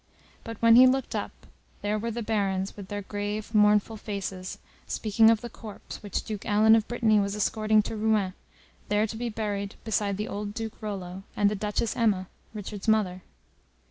But when he looked up, there were the Barons, with their grave mournful faces, speaking of the corpse, which Duke Alan of Brittany was escorting to Rouen, there to be buried beside the old Duke Rollo, and the Duchess Emma, Richard's mother.